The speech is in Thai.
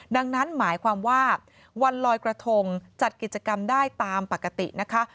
ดังนั้นหมายความว่าวันลอยกระทงจัดกิจกรรมได้ตามปกตินะคะ